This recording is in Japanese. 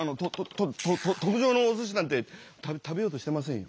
と特上のおすしなんて食べようとしてませんよ。